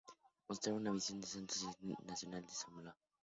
Mostraba una visión del santo más digna, convencional y solemne.